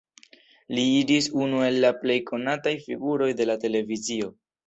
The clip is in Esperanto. Li iĝis unu el la plej konataj figuroj de la televizio.